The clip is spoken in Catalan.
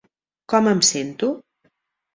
Com em sento?